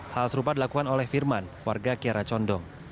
hal serupa dilakukan oleh firman warga kiara condong